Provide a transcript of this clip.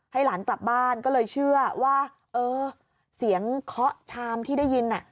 หลานกลับบ้านก็เลยเชื่อว่าเออเสียงเคาะชามที่ได้ยิน